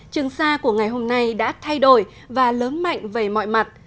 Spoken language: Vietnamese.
trường sa của ngày hôm nay đã thay đổi và lớn mạnh về mọi mặt